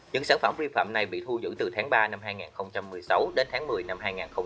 những sản phẩm vi phạm này bị thu giữ từ tháng ba năm hai nghìn một mươi sáu đến tháng một mươi năm hai nghìn một mươi tám